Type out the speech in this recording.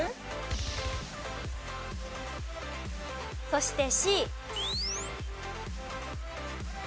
そしてＣ。